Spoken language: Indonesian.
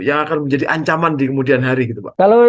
yang akan menjadi ancaman di kemudian hari gitu pak